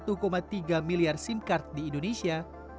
penjualan data satu tiga miliar sim card di indonesia